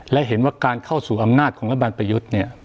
และเห็นว่าการเข้าสู่อำนาจของรัฐบาลประยุทธ์เนี่ย